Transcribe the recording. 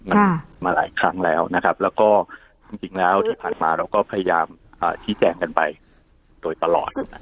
มันมาหลายครั้งแล้วนะครับแล้วก็จริงแล้วที่ผ่านมาเราก็พยายามชี้แจงกันไปโดยตลอด